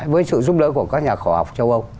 với sự giúp đỡ của các nhà khoa học châu âu